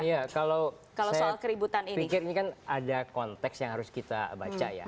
iya kalau saya pikirkan ada konteks yang harus kita baca ya